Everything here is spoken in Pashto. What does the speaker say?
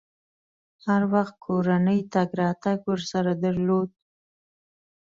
هر وخت کورنۍ تګ راتګ ورسره درلود.